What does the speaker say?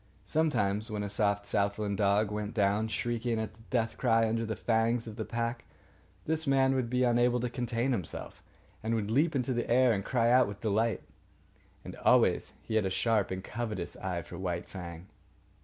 Sometimes, when a soft southland dog went down, shrieking its death cry under the fangs of the pack, this man would be unable to contain himself, and would leap into the air and cry out with delight. And always he had a sharp and covetous eye for White Fang.